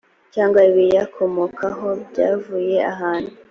cyangwa ibiyakomokaho byavuye ahantu